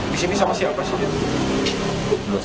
di sini sama siapa sih